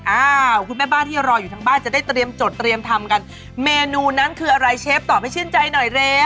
อ้าวคุณแม่บ้านที่รออยู่ทางบ้านจะได้เตรียมจดเตรียมทำกันเมนูนั้นคืออะไรเชฟตอบให้ชื่นใจหน่อยเร็ว